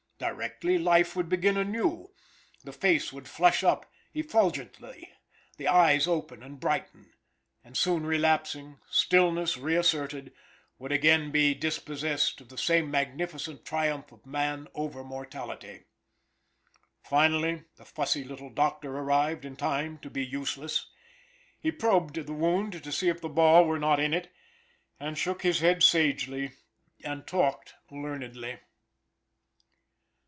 Directly life would begin anew, the face would flush up effulgently, the eyes open and brighten, and soon relapsing, stillness re asserted, would again be dispossessed by the same magnificent triumph of man over mortality. Finally the fussy little doctor arrived, in time to be useless. He probed the wound to see if the ball were not in it, and shook his head sagely, and talked learnedly.